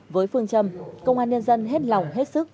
với phương châm công an nhân dân hết lòng hết sức